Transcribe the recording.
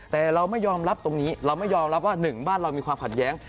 แต่เราไม่ยอมรับตรงนี้เราไม่ยอมรับว่าหนึ่งบ้านเรามีความขัดแย้ง